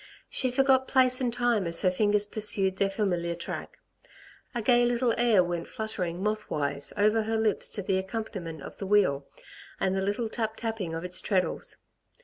She forgot place and time as her fingers pursued their familiar track. A gay little air went fluttering moth wise over her lips to the accompaniment of the wheel, and the little tap tapping of its treadles.